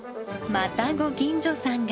またご近所さんが。